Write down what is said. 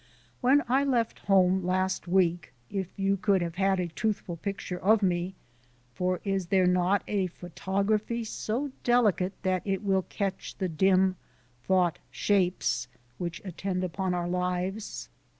When I left home last week, if you could have had a truthful picture of me for is there not a photography so delicate that it will catch the dim thought shapes which attend upon our lives?